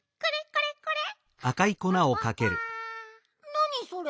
なにそれ。